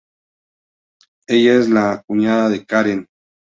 Ella es la cuñada de Karen.